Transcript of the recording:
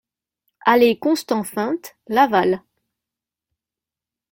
Allée Constant Feinte, Laval